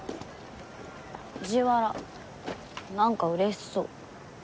藤原何かうれしそう。